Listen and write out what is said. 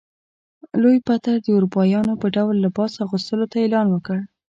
لوی پطر د اروپایانو په ډول لباس اغوستلو ته اعلان وکړ.